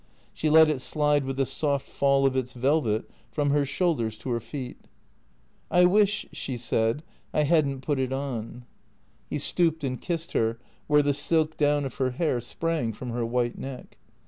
She let it slide with the soft fall of its velvet from her shoulders to her feet. " I wish," she said, " I had n't put it on." He stooped and kissed her where the silk down of her hair sprang from her white neck.